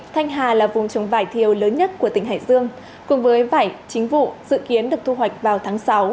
thanh hà là vùng trồng vải thiều lớn nhất của tỉnh hải dương cùng với vải chính vụ dự kiến được thu hoạch vào tháng sáu